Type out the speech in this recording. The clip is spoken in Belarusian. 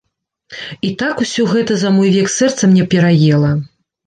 І так усё гэта за мой век сэрца мне пераела.